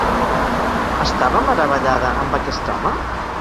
Estava meravellada amb aquest home?